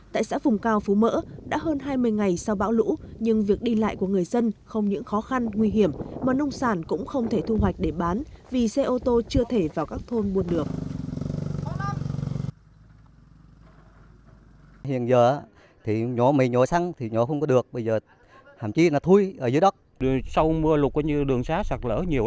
tại xã phùng cao phú mỡ đã hơn hai mươi ngày sau bão lũ nhưng việc đi lại của người dân không những khó khăn nguy hiểm mà nông sản cũng không thể thu hoạch để bán vì xe ô tô chưa thể vào các thôn mua được